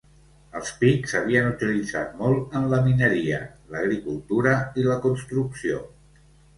Els pics s'havien utilitzat molt en la mineria, l'agricultura i la construcció.